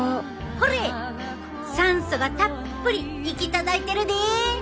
ほれ酸素がたっぷり行き届いてるで。